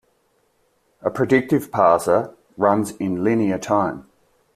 A predictive parser runs in linear time.